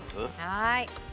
はい。